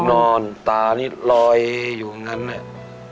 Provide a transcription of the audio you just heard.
นอนตานิดรอยอยู่เหมือนงั้น